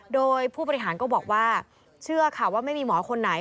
โดยผู้บริหารก็บอกว่าเชื่อค่ะว่าไม่มีหมอคนไหน